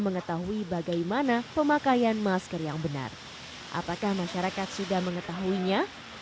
mengetahui bagaimana pemakaian masker yang benar apakah masyarakat sudah mengetahuinya